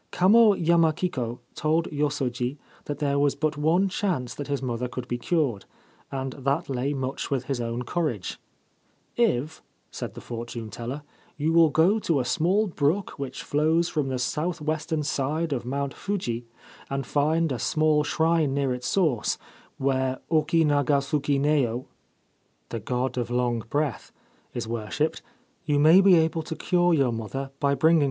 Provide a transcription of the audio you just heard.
Kamo Yamakiko told Yosoji that there was but one chance that his mother could be cured, and that lay much with his own courage. ' If/ said the fortune teller, ' you will go to a small brook which flows from the south western side of Mount Fuji, and find a small shrine near its source, where Oki naga suku neo l is worshipped, you may be able to cure your mother by bringing her water 1 The God of Long Breath.